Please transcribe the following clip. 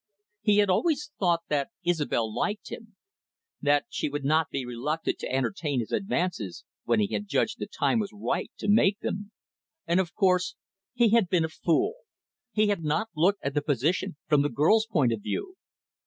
He had always thought that Isobel liked him, that she would not be reluctant to entertain his advances, when he had judged the time was right to make them. And, of course, he had been a fool. He had not looked at the position from the girl's point of view.